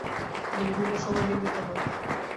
তিনি বিভিন্ন সময় নিন্দিত হন।